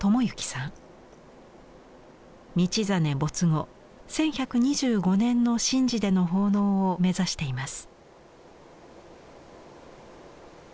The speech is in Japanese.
道真没後１，１２５年の神事での奉納を目指しています。